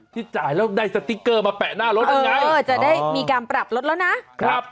ที่จ่ายแล้วได้สติ๊กเกอร์มาแปะหน้ารถยังไงเออจะได้มีการปรับลดแล้วนะครับ